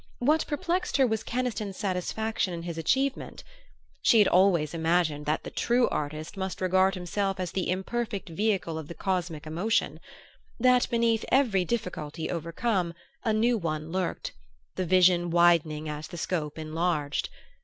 What perplexed her was Keniston's satisfaction in his achievement. She had always imagined that the true artist must regard himself as the imperfect vehicle of the cosmic emotion that beneath every difficulty overcome a new one lurked, the vision widening as the scope enlarged.